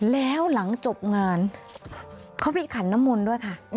แล้วหลังจบงานเขามีขันน้ำมนต์ด้วยค่ะ